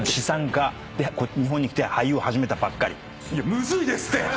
むずいですって！